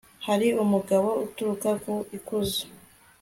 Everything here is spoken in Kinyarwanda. hari umugayo uturuka ku ikuzo